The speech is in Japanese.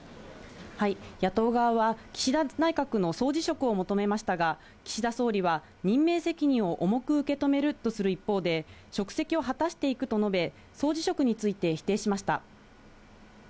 野党側は岸田内閣の総辞職を求めましたが、岸田総理は任命責任を重く受け止めるとする一方で、職責を果たしていくと述べ、総辞職について否定しました。